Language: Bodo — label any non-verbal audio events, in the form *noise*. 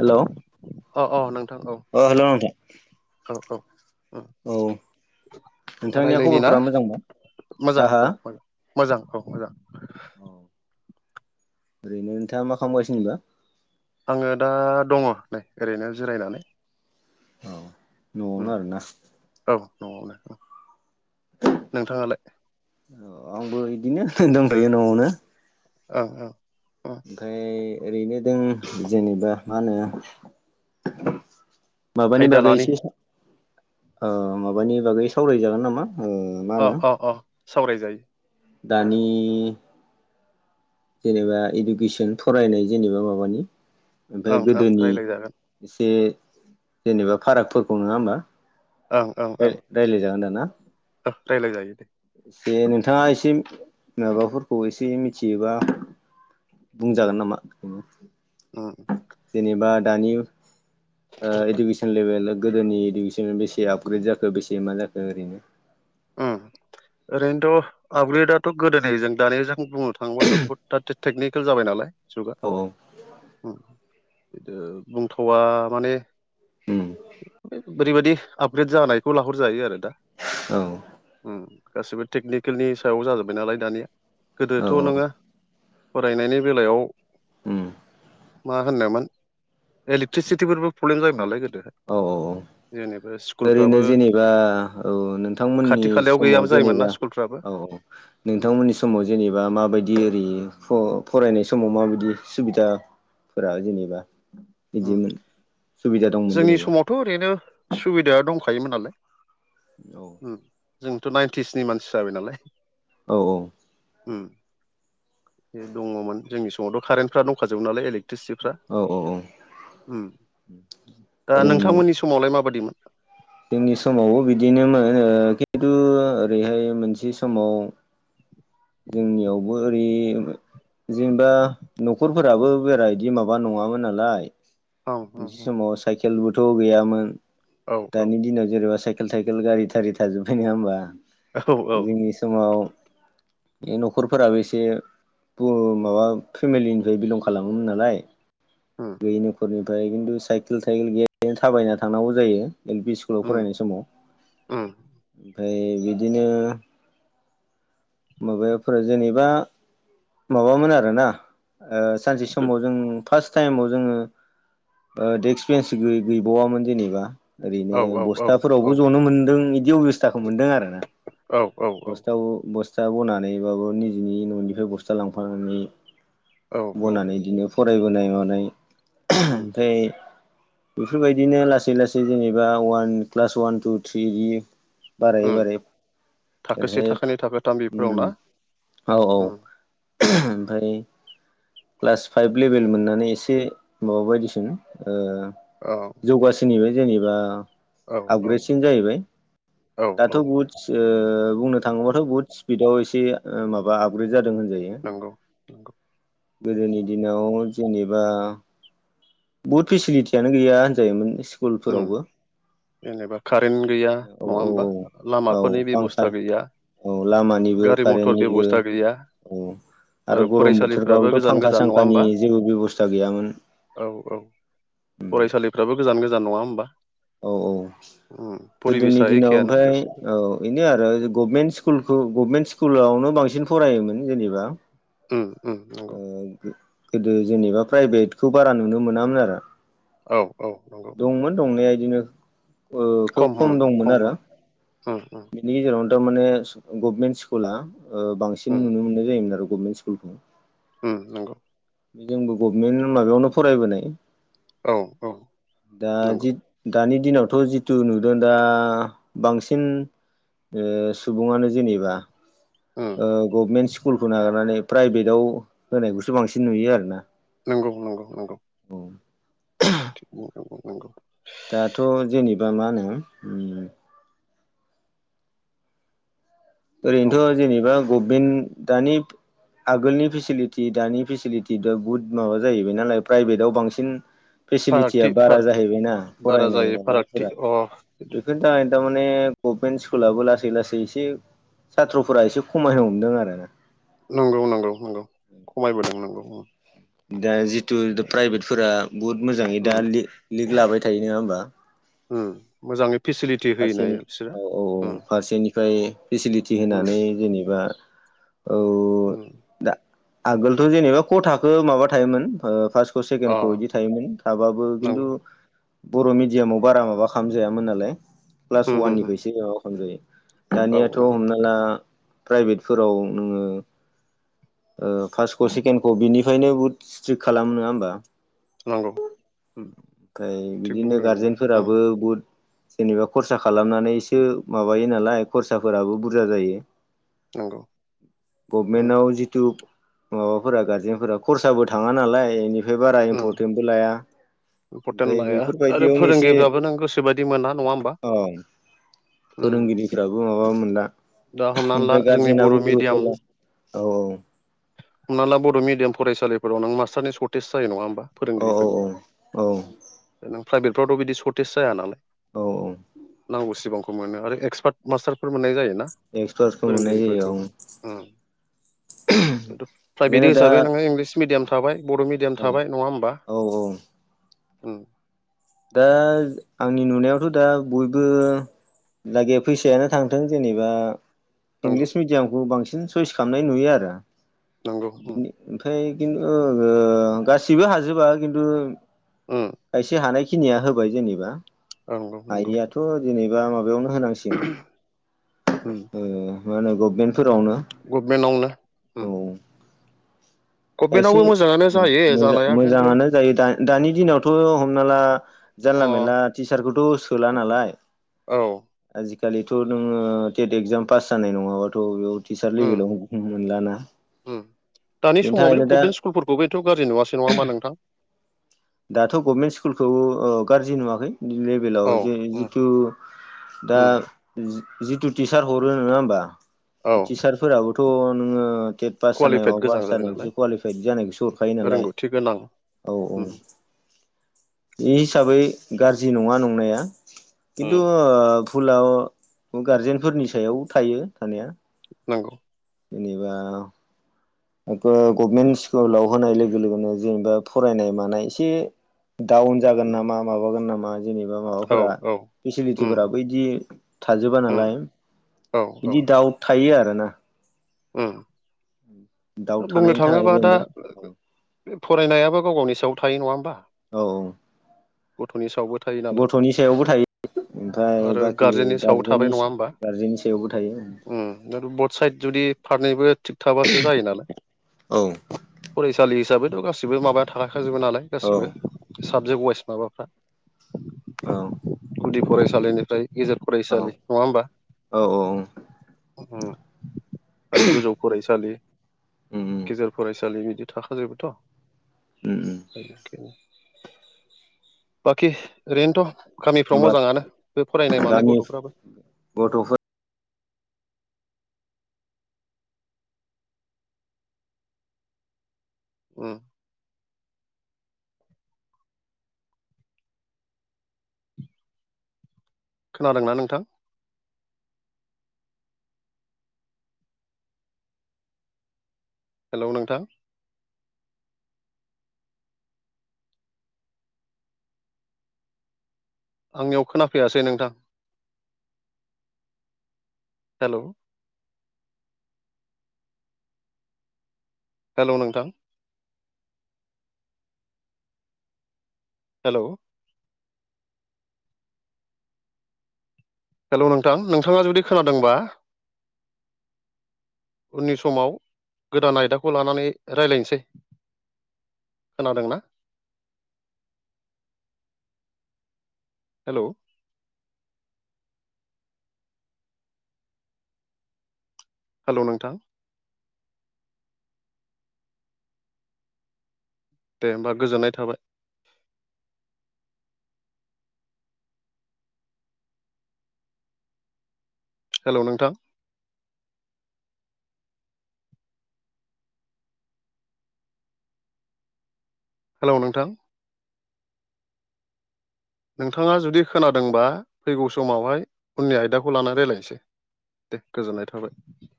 हेलौ औ औ नोंथां औ अ हेल' नोंथां। औ औ औ नोंथांनिया रायलायनि ना खबरफोरा मोजांबा मोजां आहा औ मोजां मोजां औ मोजां औ ओरैनो नोंथाङा मा खालामगासिनोबा आङो दा दङ नै ओरैनो जिरायनानै औ न'आवनो उम आरोना औ न'आवनो नोंथाङालाय औ आंबो बिदिनो दंखायो न'आवनो औ औ ओमफ्राय ओरैनो दों जेनेबा मा होनो माबानि आयदा बागै लानि एसे माबानि बागै सावरायजागोन नामा मा अ होनो अ अ सावराय जायो दानि जेनेबा इडुकेसन फरायनाय जेनेबा माबानि ओमफ्राय ओं ओं गोदोनि रायज्लायजागोन एसे जेनेबा फारागफोरखौ नङा होमबा? ओं ओं ओं रायज्लायजागोन दा ना? रायज्लाय जायो दे। एसे नोंथाङा एसे माबाफोरखौ एसे मिथियोबा बुंजागोन नामा? ओ जेनेबा दानि ओ इडुकेसन लेभेल गोदोनि इडुेसन बे बेसे आपग्रेड जाखो बेसे मा जाखो ओरैनो उम ओरैनोथ' आपग्रेदथ' गोदोहजों दानिजों बुंनो थाङोबाथ' बह टेकनिकेल जाबाय नालाय जुगा। औ औ बिदि बुंथावा माने उम ओरैबायदि आपग्रेड जानायखौ लाहरजायो आरो दा। औ गासिबो टेकनिकेलनि सायाव जाजोब्बाय नालाय दानिया औ गोदोथ' नोङा फरायनायनि बेलायाव उम मा होनोमोन इलेकट्रिसिटिफोरबो प्रब्लेम जायोमोन नालाय गोदोहाय। औ-औ जेनेबा स्कुलफ्राबो ओरैनो जेनेबा औ खाथि नोंथांमोननि खालायाव समाव गैयाबो जायोमोन ना जेनेबा स्कुलफ्राबो औ उम नोंथांमोननि समाव जेनेबा माबायदि ओरै फरायनाय समाव माबायदि सुबिदा फोरा‌‌ जेनेबा उम बिदिमोन सुबिदा दंमोन जोंनि जेनेबा समावथ' ओरैनो सुबिदाया दंखायोमोन नालाय। औ जोंथ' नाइन्टिसनि मानसि जाबाय नालाय। औ औ बे दङमोन जोंनि समावथ' कारेन्टफ्रा दंखाजो नालाय इलेक आरटिस्फ्रा औ औ ओम दा जोंनि नोंथांमोननि समावलाय माबायदिमोन? जोंनि समावबो बिदिनोमोन खिन्थु ओरैहाय मोनसे समाव जोंनियावबो ओरै जेनेबा न'खरफोराबो बारा इदि माबा नङामोन नालाय। औ औ मोनसे समाव साइकेलबोथ' गैयामोन। औ दानि दिनाव जेनेबा साइकेल थाइखेल गारि थारि थाजोब्बाय नङा होमबा औ औ औ जोंनि समाव बे न'खरफोराबो एसे माबा फेमिलिनिफ्राय बिलं खालामोमोन नालाय। उम गैयि न'खरनिफ्राय खिन्थु साइकेल थाइकेल गैयानो थाबायना थांनांगौ जायो। एल पि स्कुलाव उम फरायनाय समाव उम ओमफ्राय बिदिनो माबाफोर जेनेबा माबामोन आरोना ओ सानसे गो समाव जों फार्स्ट टाइमाव जोङो डेस्क बेन्स गैबावामोन जेनेबा। ओरैनो औ औ औ बस्थाफोरावबो औ जनो मोनदों इदि अबस्थाखौ मोन्दों आरोना। औ औ औ बस्थायाव बस फिसा बनानैबाबो निजिनि न'निफ्राय बस्था लांफानानै औ औ बनानै बिदिनो फरायबोनाय मानाय उम ओमफ्राय बेफोरबायदिनो लासै लासै जेनेबा अवान क्लास अवान टु थ्रि बारायै बारायै ओरैहाय थाखोथामि औ औ ओम उम ओम ओमफ्राय क्लास फाइभ लेभेल मोननानै एसे माबा बायदिसिम ओ औ जौगासोननिबाय जेनेबा औ आपग्रेडसिन जाहैबाय औ दाथ' औ बुहुद बुंनो थाङोबाथ' बुहुद स्पिडाव एसे माबा आपग्रेड जादों होनजायो नंगौ नंगौ गोदोनि दिनाव जेनेबा बहुत फेसिलिटियानो गैया होनजायोमोन उम स्कुलफोरावबो जेनेबा कारेन्ट गैया औ नङा औ औ होमबा औ लामाफोरनि फांखा बेब'स्था गैया औ लामानिबो गारि मथर कारेन्टनिबो बेब'स्था गैया औ आरो गरम बोथोर फरायसालिफ्राबो सोरबाबोथ' गोजान फांखा गोजान नङा सांखानि होमबा जेबो बेब'स्था गैयामोन औ औ फरायसालिफ्राबो गोजान गोजान नङा होमबा औ औ उम गोदोनि परिबेसा दिनाव एखेयानो ओमफ्राय गासैबो औ बेनो आरो गभमेन्ट स्कुलखौ गभमेन्ट स्कुलावनो बांसिन फरायोमोन जेनेबा उम उम नंगौ गोदो जेनेबा प्राइभेटखौ बारा नुनो मोनामोन आरो औ औ नंगौ दंमोन दंनाया बिदिनो खोब खम खममोन दंमोन आरो खममोन उम उम बेनि गेजेरावनो थारमाने गभनमेन्ट स्कुला बांसिन उम नुनो मोननाय जायोमोन आरो गभमेन्ट स्कुलखौ उम उम बे जोंबो गभमेन्ट माबायावनो फरायबोनाय औ औ दा नंगौ जि दानि दिनावथ' जिथु नुदों दा बांसिन ओ सुबुङानो जेनेबा उम ओ गभनमेन्ट स्कुलखौ नागारनानै प्राइभेटाव होनायखौसो बांसिन नुयो आरो ना नंगौ नंगौ नंगौ *unintelligible* दाथ' जेनेबा मा होनो दं ओरैनोथ' जेनेबा गभमेन्ट दानि आगोलनि फेसिलिटि दानि फेसिलिटि दा बुद माबा जाहैबाय नालाय प्राइभेटआव बांसिन फेसिलिटिया फारागथि बारा फार जाहैबायना बारा फरायनाय जायो फारागथि माबानायफोरा अ बेखौ ओ दा माने गभमेन्त स्कुलाबो लासै लासैसो सााथ्र'फोरा एसे खमायनो हमदों आरो ना नंगौ नंगौ नंगौ खमायबोदों नंगौ दा जिथु प्राइभेटफोरा बहुत मोजाङै उम दा लि लिक लाबाय थायो नङा होमबा मोजाङै फेसिलिटि होयोना फारसे बिसोरो औ औ औ उम फारसेनि ओमफ्राय फेसिलिटि उम होनानै जेनेबा औ उम दा आगोलथ' जेनेबा ख थाखो माबा थायोमोन ओ फार्स अ सेकेखौ बिदि थायोमोन थाबाबो खिन्थु नंगौ बर' मिडियामाव बारा माबा खालामजायामोन नालाय क्लास उम उम उम वाननिफ्रायस माबा खालामजायो औ दानियाथ' नंगौ हमनानै हला प्राइभेटफोराव नोङो ओ फार्स्टखौ सेकेणडखौ बिनिफ्रायनो बुहुत स्ट्रिक खालामोङा होमबा नंगौ उम ओमफ्राय थिग बिदिनो बुंदों नोङो उम गारजेनफोराबो बहुद जेनेबा खरसा खालामनानैसो माबायो नालाय खरसाफोराबो बुरजा जायो नंगौ उम गभमेन्टाव जिथु ओ माबाफोरा गारजेनफोरा खरसाबो थाङा नालाय बेनिफ्राय बारा उम इम्परटेन्टबो लाया इम्परटेन्ट ओमफ्राय लाया आरो बेफोरबायदियावनो एसे फोरोंगिरिफ्राबो नों गोसोबायदि मोना नङा होमबा उम गाबो माबाबा मोनला दा हमनानै ला ओमफ्राय जोंनि बर' गारजेनाबो मिडियाम गुरथ'ला औ औ हमना ला बर' मिडियाम फरायसालिफोराव नों मास्टारनि सर्टेेज जायो नङा होमबा? औ औ फोरोंगिरिफोरनि औ औ नों प्राइभेटफ्रावथ' बिदि सर्टेज जाया नालाय। औ नांगौ सिबांखौ मोनो आरो एक्सपार्ट मास्टारफोर मोननाय जायो ना? एक्सपार्टखौ मोननाय जायो औ फोरोंगिरिफोरखौहाय ओ थु प्राइभेट बेखायनो दा हिसाबै नोङो इंलिस मिडियाम थाबाय बर' मिडयाम औ थाब नङा होमबा? औ औ औ दा आंनि नुनायावथ' दा बयबो लागै फैसायानो थांथों जेनेबा नंगौ इंलिस मिडियामखौ बांसिन सयस खालामनाय नुयो आरो नंगौ उम बिदिनो। ओमफ्राय खिन्थु गासिबो हाजोबा खिन्थु उम खायसे हानायखिनिया होबाय जेनेबा औ नंगौ नंगौ हायियाथ' जेनेबा माबायावनो होनांसिग उम ओ मा होनो गभमेन्टफोरावनो गभमेन्टआवनो उम एसे गभमेन्टआवबो मोजाङानो जायो मोजां जानाया खिन्थु मोजाङानो जायो दा दानि दिनावथ' हमना ला अ जानला मेरला टिसार्टखौथ' सोला नालाय। औ आजिखालिथ' नोङो टेट एक्जाम पास जानाय नङाबाथ' बेयाव टिसारट ल उम बिलं मोनलाना। उम दानि बेनि समाव बिथ थाखायनो दा गभमेन्ट सकुलफोरखौबोथ' गाज्रि नङा होमबा नोंथां? दाथ' गभमेन्ट स्कुलखौ ओ गाज्रि नुवाखै लेभेलाव औ जे उम जिथु दा उम जिथु टिचार हरो नङा होमबा औ टिचार फोराबोथ' नोङो टेट पास जानाय कुवालिफाइद माबा गोजां पास जाबाय नालाय जानायखौसो कुवालिफाइद जानायखौसो हरखायो नालाय रोंगौथि गोनां औ औ उम बे हिसाबै गाज्रि नङा नंनाया। खिन्थु उम भुलाव गारजेनफोरनि सायाव थायो थानाया। नांगौ जेनबा बे गभमेन्ट स्कुलाव होनाय लोगो लोगोनो जेनेबा फरायनाय मानाय एसे डाउन जागोन उम नामा माबागोन नामा जेनेबा औ माबाफोरा औ उम फेसिलिटिफोरा बै बिदि थाजोबा उम नालाय औ औ बिदि दाउट थायो आरोना। उम दाउ बुंनो थानायनि थाखाय थाङोबा दा जेनेबा औ फरायनायाबो गाव गावनि सायाव थायो नङा होमबा? औ औ गथ'नि सायावबो थायो नालाय गथ'नि सायावबो थायो। ओमफ्राय आरो बाखि सायाव थाबाय गारजेननि नङा गार्जेननि सायावबो थायो। बड साइड जुदि फारनैबो थिग थाबासो जायो नालाय। औ फरायसालि हिसाबैथ' गासिबो माबाया थाखाखाजोबो नालाय गासिबो। साबजेक्ट वाइस माबाफ्रा। औ गुदि फरायसालिनिफ्राय गेजेर औ फरायसालि नङा होमबा औ आरो गोजौ फरायसालि होमबा गेजेर फरायसालि बिदि थाखाजोबोथ'खायनो बाखि रेेनथ' गामिफ्राव मोजाङानो बे फरायनाय मानाय गामि गथ'फ्राबो ‌। गथ'फोर उम खोनादोंना नोंथां? हेल' नोंथां आंनियाव खोनाफैयाासै नोंथां हेल' हेल' नोंथां हेल' हेल' नोंथां नोंथाङा जुदि खोनादोंबा उननि समाव गोदान आयदाखौ लानानै रायज्लायनोसै खोनादोंना हेल' हेल' नोंथां दे होमबा गोजोननाय थाबाय हेल' नोंथां हेलौ नोंथां नोंथाङा जुदि खोनादोंबा फैगौ समावहाय उननि आयदाखौ लानानै रायज्लायनोसै दे गोजोननाय थाबाय